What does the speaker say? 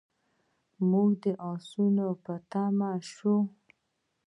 موږ د اسونو په تماشه شوو.